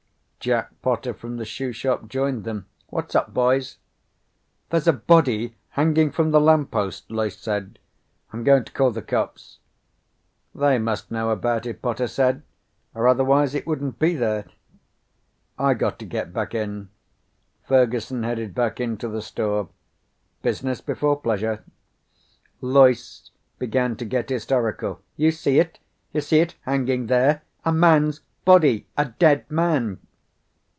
Jack Potter from the shoe shop joined them. "What's up, boys?" "There's a body hanging from the lamppost," Loyce said. "I'm going to call the cops." "They must know about it," Potter said. "Or otherwise it wouldn't be there." "I got to get back in." Fergusson headed back into the store. "Business before pleasure." Loyce began to get hysterical. "You see it? You see it hanging there? A man's body! A dead man!"